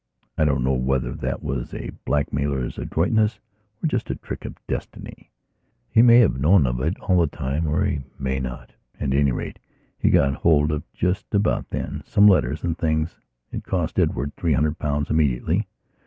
I don't know whether that was a blackmailer's adroitness or just a trick of destiny. He may have known of it all the time or he may not. At any rate, he got hold of, just about then, some letters and things. It cost Edward three hundred pounds immediately.